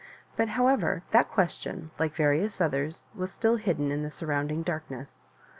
But, how ever, that question, li'ice various others, was still hidden m the surrounding darkness.